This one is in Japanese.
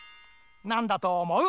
なんだとおもう？